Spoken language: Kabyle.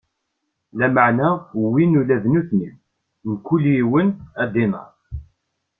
Lameɛna wwin ula d nutni, mkul yiwen, adinaṛ.